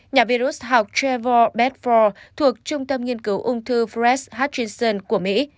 nhà virus học trevor bedford thuộc trung tâm nghiên cứu ung thư fred hutchinson của mỹ